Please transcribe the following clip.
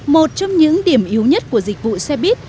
một trong những điểm yếu nhất của dịch vụ xe buýt